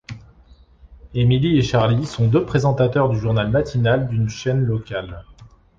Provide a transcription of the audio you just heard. Emily et Charlie sont deux présentateurs du journal matinal d’une chaine locale.